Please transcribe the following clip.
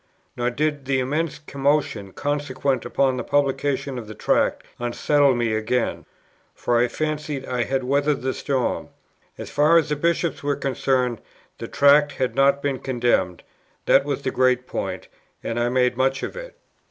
Nor did the immense commotion consequent upon the publication of the Tract unsettle me again; for I fancied I had weathered the storm, as far as the Bishops were concerned: the Tract had not been condemned: that was the great point, and I made much of it.